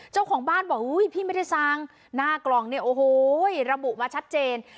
เจ้าของบ้านบอกอุ้ยพี่ไม่ได้สั่งหน้ากล่องเนี่ยโอ้โหระบุมาชัดเจน